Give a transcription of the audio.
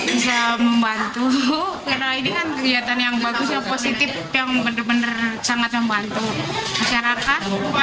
bisa membantu karena ini kan kegiatan yang bagus yang positif yang benar benar sangat membantu masyarakat